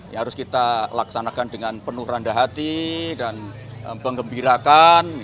ya harus kita laksanakan dengan penuh randa hati dan pengembirakan